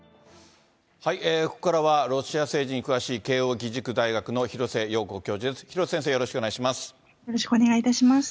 ここからはロシア政治に詳しい慶應義塾大学の廣瀬陽子教授です。